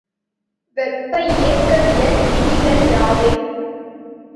வெப்ப இயக்கவியல் விதிகள் யாவை?